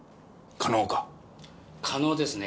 可能ですね。